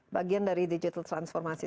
bagian dari digital transformasi